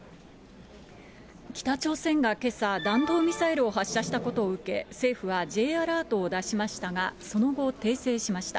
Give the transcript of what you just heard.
北朝鮮がけさ、弾道ミサイルを発射したことを受け、政府はＪアラートを出しましたが、その後、訂正しました。